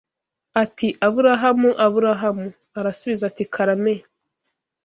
ati Aburahamu Aburahamu Arasubiza ati karame